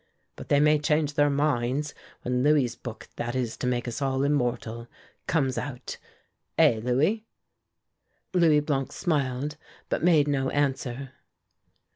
But they may change their minds when Louis' book, that is to make us all immortal, comes out. Eh, Louis?" Louis Blanc smiled, but made no answer.